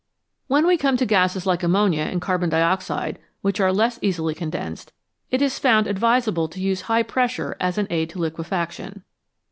When we come to gases like ammonia and carbon dioxide, which are less easily condensed, it is found advis able to use high pressure as an aid to liquefaction.